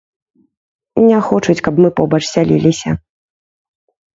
Не хочуць, каб мы побач сяліліся.